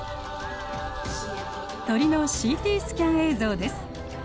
鳥のＣＴスキャン映像です。